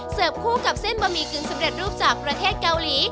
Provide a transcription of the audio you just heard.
เสิร์ฟคู่กับเส้นบะเมลิกึงเสพร็จรูปจากประเทศเกาหลี